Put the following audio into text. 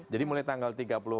jadi mulai tanggal tiga puluh